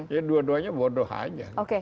ya dua duanya bodoh aja